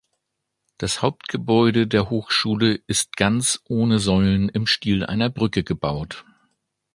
Das Hauptgebäude der Hochschule ist ganz ohne Säulen im Stil einer Brücke aufgebaut.